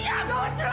jauh jauh aku mau